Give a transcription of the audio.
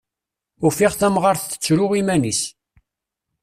Ufiɣ tamɣart tettru iman-is.